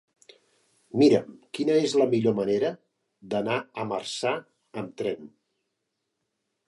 Mira'm quina és la millor manera d'anar a Marçà amb tren.